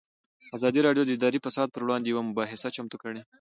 ازادي راډیو د اداري فساد پر وړاندې یوه مباحثه چمتو کړې.